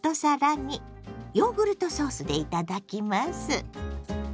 ヨーグルトソースで頂きます。